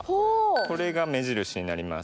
これが目印になります。